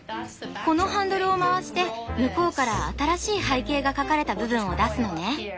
このハンドルを回して向こうから新しい背景が描かれた部分を出すのね。